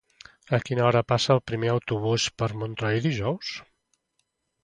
A quina hora passa el primer autobús per Montroi dijous?